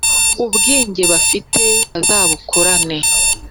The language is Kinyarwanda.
ubwenge bafite bazabukurane